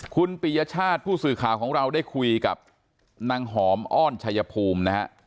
คุณปิยชาติผู้สื่อข่าวของเราได้คุยกับนางหอมอ้อนชัยภูมินะฮะ